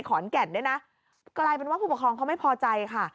กลายเป็นว่าผู้ประครองเขาไม่พอใจค่ะ